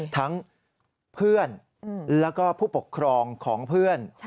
ทั้งเพื่อนแล้วก็ผู้ปกครองของเพื่อน